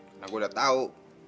karena gue udah tahu